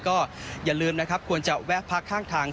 ก็อย่าลืมนะครับควรจะแวะพักข้างทาง